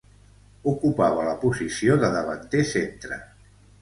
Ocupava la posició de davanter centre.